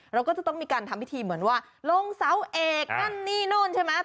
เราก็จะต้องมีการทำพิธีเหมือนว่าลงเสาเอกนั่นนี่นู่นใช่ไหม